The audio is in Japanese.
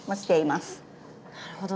なるほど。